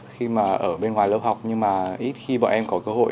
khi mà ở bên ngoài lớp học nhưng mà ít khi bọn em có cơ hội